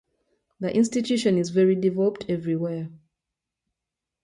This institution is very developed everywhere.